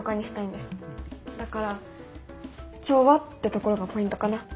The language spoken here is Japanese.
だから「調和」ってところがポイントかな。